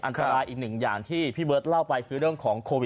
อันตรายอีกหนึ่งอย่างที่พี่เบิร์ตเล่าไปคือเรื่องของโควิด